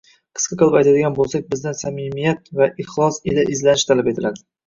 Qisqa qilib aytadigan bo‘lsak, bizdan samimiyat va ixlos ila izlanish talab etiladi.